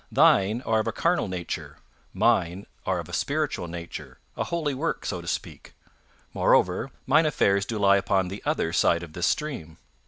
Thine are of a carnal nature; mine are of a spiritual nature, a holy work, so to speak; moreover, mine affairs do lie upon the other side of this stream.